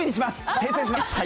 訂正します。